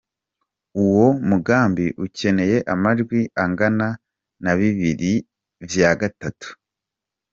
Uwo mugambi ukeneye amajwi angana na bibiri vya gatatu, ngo ushobore kwemezwa.